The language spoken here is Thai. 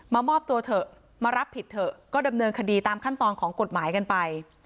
มอบตัวเถอะมารับผิดเถอะก็ดำเนินคดีตามขั้นตอนของกฎหมายกันไป